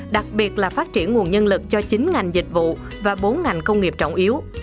đặc biệt là phát triển nguồn nhân lực cho chín ngành dịch vụ và bốn ngành công nghiệp trọng yếu